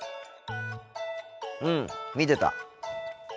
うん見てた。